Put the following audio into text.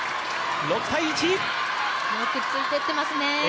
よくついていっていますね。